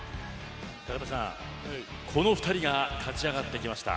高田さん、この２人が勝ち上がってきました。